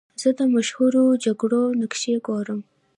زه د مشهورو جګړو نقشې ګورم.